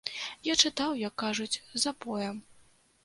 Я чытаў, як кажуць, запоем.